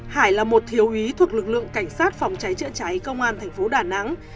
hải là một thiếu ý thuộc lực lượng cảnh sát phòng cháy chữa cháy công an thành phố đà nẵng